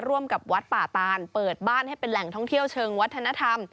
ร่วมกับวัดป่าตานเปิดบ้านให้เป็นแหล่งท่องเที่ยวเชิงวัฒนธรรม